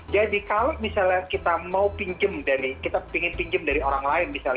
jadi kalau misalnya kita mau pinjam dari kita ingin pinjam dari orang lain misalnya